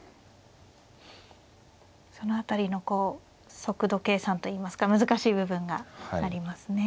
その辺りの速度計算といいますか難しい部分がありますね。